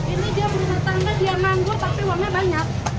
ini dia menetangkan dia nanggur tapi uangnya banyak